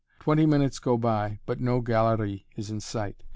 Twenty minutes go by, but no "galerie" is in sight.